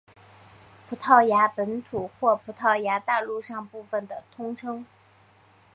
葡萄牙本土或葡萄牙大陆上部分的通称。